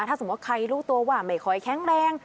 ถ้าสมมุติใครรู้ตัวว่าไม่ค่อยแข็งแรง